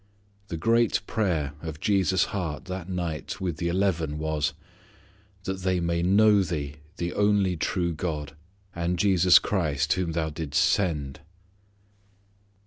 The great prayer of Jesus' heart that night with the eleven was, "that they may know Thee the only true God, and Jesus Christ whom Thou didst send."